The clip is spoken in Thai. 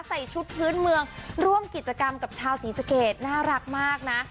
ใส่ชุดพื้นเมืองร่วมกิจกรรมกับชาวศรีสะเกดน่ารักมากนะ